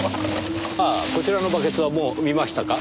ああこちらのバケツはもう見ましたか？